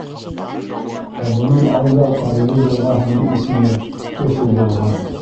Ә бынан алда Ҡариҙел йылғаһының исеме Өфө булған.